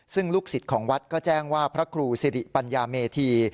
ซึ่งลูกศิษย์ของวัดก็แจ้งว่าพระครูสิริปัญญาเมธี